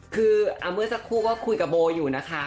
คือเมื่อสักครู่ก็คุยกับโบอยู่นะคะ